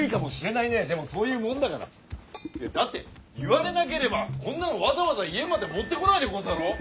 でもそういうもんだから。だって言われなければこんなのわざわざ家まで持ってこないでござろう。